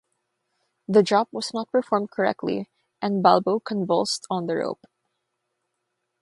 The drop was not performed correctly and Balbo convulsed on the rope.